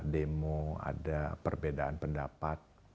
demo ada perbedaan pendapat